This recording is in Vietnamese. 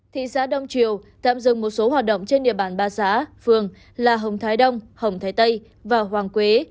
thị xã đông triều tạm dừng một số hoạt động trên địa bàn ba xã phường là hồng thái đông hồng thái tây và hoàng quế